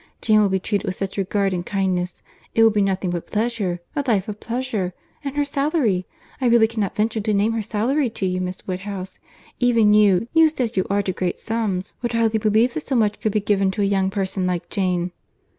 Jane will be treated with such regard and kindness!—It will be nothing but pleasure, a life of pleasure.—And her salary!—I really cannot venture to name her salary to you, Miss Woodhouse. Even you, used as you are to great sums, would hardly believe that so much could be given to a young person like Jane."